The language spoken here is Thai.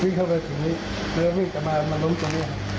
อือวิ่งเข้ามาถึงนี้แล้ววิ่งเข้ามาล้มตรงนี้ครับ